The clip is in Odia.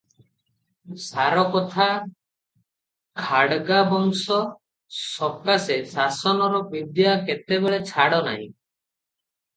ସାରକଥା, ଖାଡ଼ଙ୍ଗାବଂଶ ସକାଶେ ଶାସନର ବିଦ୍ୟା କେତେବେଳେ ଛାଡ଼ ନାହିଁ ।